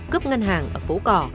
cướp ngân hàng ở phố cỏ